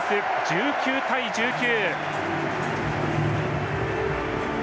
１９対１９。